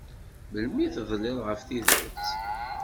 Melmi tedliḍ ɣef tidet?